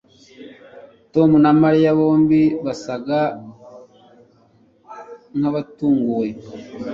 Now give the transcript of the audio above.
Tom na Mariya bombi basaga nkabatunguwe